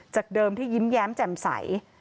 เดิมที่ยิ้มแย้มแจ่มใส